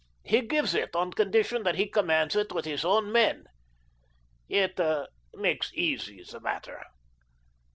"He gives it on condition that he commands it with his own men. It makes easy the matter."